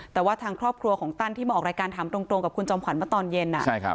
แต่ว่าทางครอบครัวของตั้นที่มาออกรายการถามตรงกับคุณจอมขวัญมาตอนเย็น